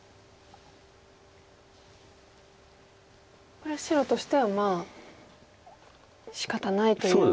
これは白としてはまあしかたないというところ。